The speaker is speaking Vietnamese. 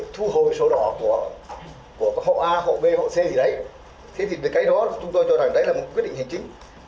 thế thì cái đó chúng tôi cho rằng đấy là một quyết định hành chính